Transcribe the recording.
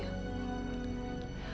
kenapa tante diem aja